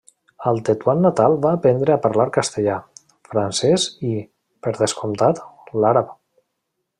Al Tetuan natal va aprendre a parlar castellà, francès i, per descomptat, l'àrab.